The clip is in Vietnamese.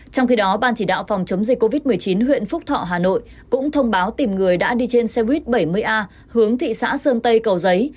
trong khi đó ban chỉ đạo phòng chống dịch covid một mươi chín huyện phúc thọ hà nội cũng thông báo tìm người đã đi trên xe buýt bảy mươi a hướng thị xã sơn tây cầu giấy